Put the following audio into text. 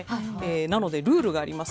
なのでルールがあります。